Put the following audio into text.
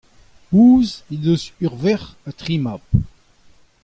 honnezh he deus ur verc'h ha tri mab.